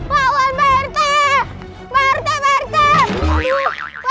pak wan berte